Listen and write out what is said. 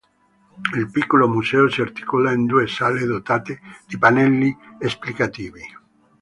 Il piccolo museo si articola in due sale dotate di pannelli esplicativi.